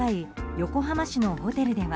横浜市のホテルでは